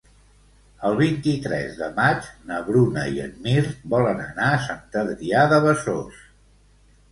El vint-i-tres de maig na Bruna i en Mirt volen anar a Sant Adrià de Besòs.